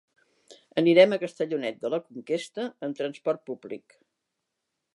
Anirem a Castellonet de la Conquesta amb transport públic.